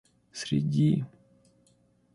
среди